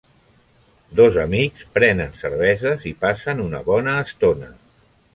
Dos amics prenen cerveses i passen una bona estona.